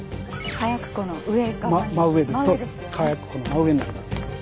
火薬庫の真上になります。